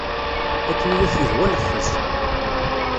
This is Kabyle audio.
Akken i ak-yehwa lexxez.